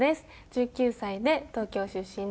１９歳で東京出身です。